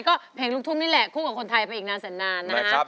ก็เพลงลูกทุ่งนี่แหละคู่กับคนไทยไปอีกนานแสนนานนะฮะ